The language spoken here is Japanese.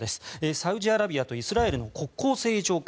サウジアラビアとイスラエルの国交正常化